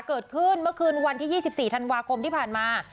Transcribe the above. เกิดขึ้นเมื่อคืนวันที่๒๔ธันวาคมที่ผ่านมา